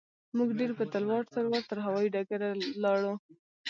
موږ ډېر په تلوار تلوار تر هوايي ډګره ولاړو.